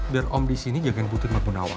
biar om disini jagain putri sama pun awal